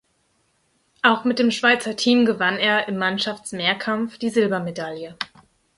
Auch mit dem Schweizer Team gewann er im Mannschaftsmehrkampf die Silbermedaille.